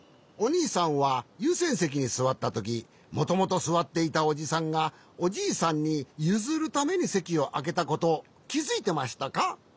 おにいさんはゆうせんせきにすわったときもともとすわっていたおじさんがおじいさんにゆずるためにせきをあけたことをきづいてましたか？